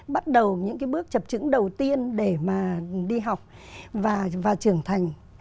bắt đầu những cái bước chập trứng đầu tiên để mà đi học và trưởng thành